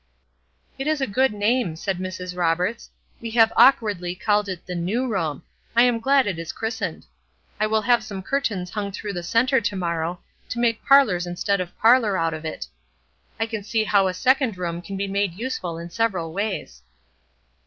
"It is a good name," said Mrs. Roberts. "We have awkwardly called it the 'new room.' I am glad it is christened. I will have some curtains hung through the centre to morrow, to make parlors instead of parlor of it; I can see how a second room can be made useful in several ways."